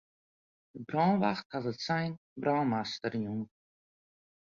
De brânwacht hat it sein brân master jûn.